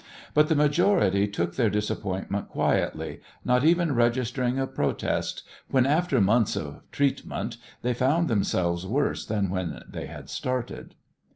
But the majority took their disappointment quietly, not even registering a protest when after months of "treatment" they found themselves worse than when they had started.